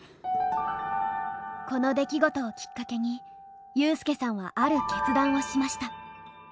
この出来事をきっかけにユースケさんはある決断をしました。